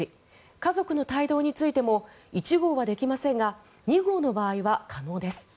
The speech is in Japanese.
家族の帯同についても１号はできませんが２号の場合は可能です。